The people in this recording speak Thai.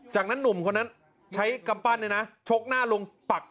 จากนั้นหนุ่มคนนั้นใช้กำปั้นชกหน้าลุงปัก